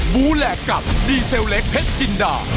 บูแหลกกับดีเซลเล็กเพชรจินดา